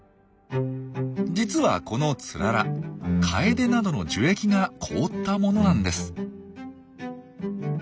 実はこのツララカエデなどの樹液が凍ったものなんです。